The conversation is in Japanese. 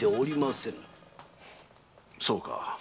そうか。